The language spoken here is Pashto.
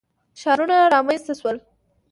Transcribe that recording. ښارونه رامنځته شول.